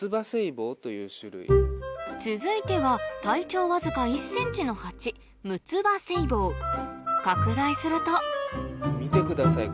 続いては体長わずか１ｃｍのハチ拡大すると見てください